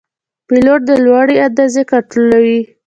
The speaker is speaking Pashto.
پیلوټ د لوړوالي اندازه کنټرولوي.